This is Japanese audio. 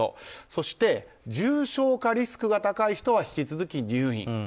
そして、重症化リスクが高い人は引き続き入院。